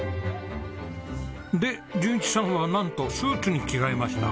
で淳一さんはなんとスーツに着替えました。